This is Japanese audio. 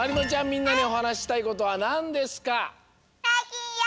みんなにおはなししたいことはなんですか？